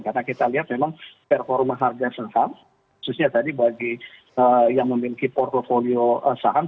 karena kita lihat memang performa harga saham khususnya tadi bagi yang memiliki portfolio saham